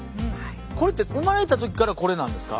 これって生まれた時からこれなんですか？